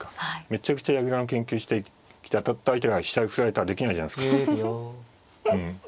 めちゃくちゃ矢倉の研究してきて当たった相手が飛車振られたらできないじゃないですか。